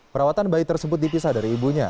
perawatan bayi tersebut dipisah dari ibunya